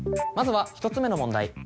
まずは１つ目の問題。